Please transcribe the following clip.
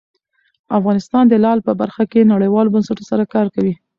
افغانستان د لعل په برخه کې نړیوالو بنسټونو سره کار کوي.